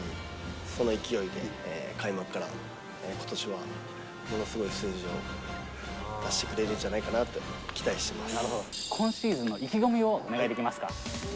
その勢いで、開幕からことしはものすごい数字を出してくれるんじゃないかなと、今シーズンの意気込みをお願いできますか。